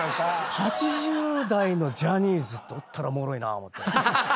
８０代のジャニーズっておったらおもろいな思うて。